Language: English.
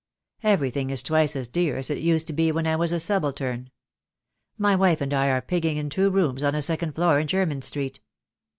Everything is twice as dear as it used to be when I was a subaltern. My wife and I are pigging in two rooms on a second floor in Jermyn Street.